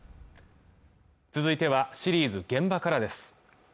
続いてはシリーズ「現場から」です